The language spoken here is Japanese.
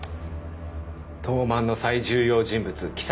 東卍の最重要人物稀咲